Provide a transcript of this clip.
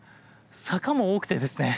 坂も多くてですね